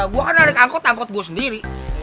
gue kan naik angkot angkot gue sendiri